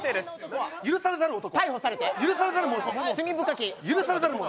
許されざる男。